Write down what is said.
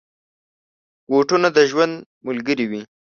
بوټونه د ژوند ملګري وي.